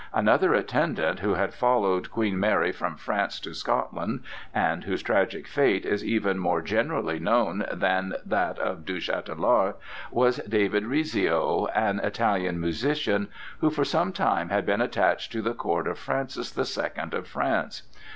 Another attendant who had followed Queen Mary from France to Scotland, and whose tragic fate is even more generally known than that of Du Chatelard, was David Rizzio, an Italian musician, who for some time had been attached to the court of Francis the Second of France.